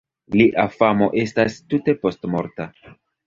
Lia famo estas tute postmorta.